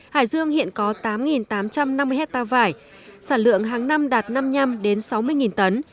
hải dương hiện có tám tám trăm năm mươi hectare vải sản lượng hàng năm đạt năm mươi năm sáu mươi tấn